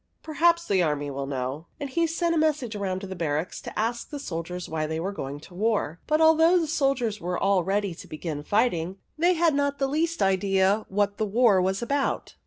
" Perhaps the army will know." And he sent a message round to the barracks to ask the soldiers why they were going to war. But although the soldiers were all ready to begin fighting, they had not the least idea what the war was about.